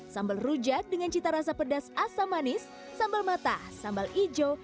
sambal rujak dengan cita rasa pedas asam manis sambal mata sambal hijau